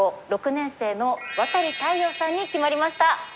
６年生の渡利大遥さんに決まりました！